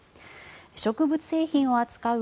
植物製品を扱う